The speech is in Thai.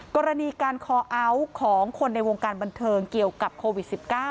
กรณีการคอเอาท์ของคนในวงการบันเทิงเกี่ยวกับโควิด๑๙